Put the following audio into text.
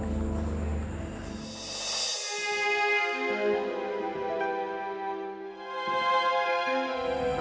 kau setuju atau tidak